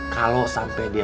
kalau sampe dia